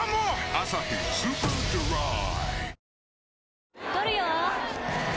「アサヒスーパードライ」